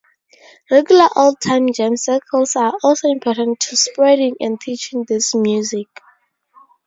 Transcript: Regular old-time jam circles are also important to spreading and teaching this music.